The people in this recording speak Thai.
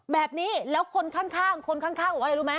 แบบนี้แล้วคนข้างคนข้างบอกว่าอะไรรู้ไหม